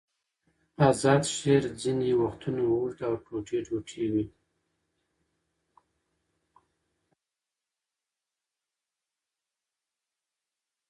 آزاد شعر ځینې وختونه اوږد او ټوټې ټوټې وي.